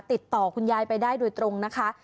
ติดต่อคุณยายไปได้โดยตรงนะคะ